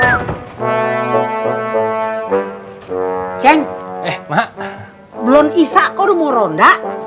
acing belum isa kok udah mau ronda